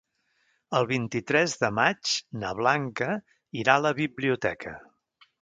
El vint-i-tres de maig na Blanca irà a la biblioteca.